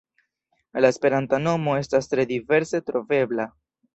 La esperanta nomo estas tre diverse trovebla.